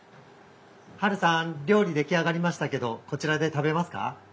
ハルさん料理出来上がりましたけどこちらで食べますか？